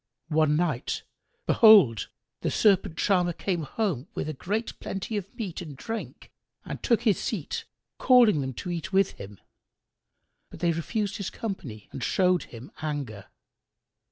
One night, behold, the Serpent charmer came home with great plenty of meat and drink and took his seat calling them to eat with him: but they refused his company and showed him anger.